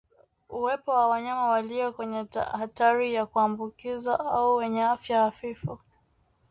Uwepo wa wanyama walio kwenye hatari ya kuambukizwa au wenye afya hafifu